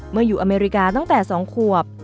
เมื่ออยู่อเมริกาตั้งแต่สองขวบ